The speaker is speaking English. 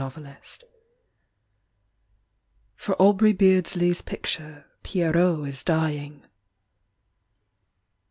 PIERROT For Aubrey Beardsley s picture "Pierrot is dying.